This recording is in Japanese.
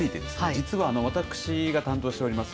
実は私が担当しております。